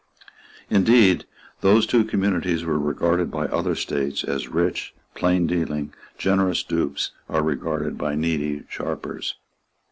Indeed those two communities were regarded by other states as rich, plaindealing, generous dupes are regarded by needy sharpers.